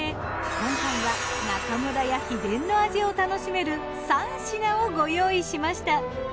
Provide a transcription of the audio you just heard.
今回は中村家秘伝の味を楽しめる３品をご用意しました。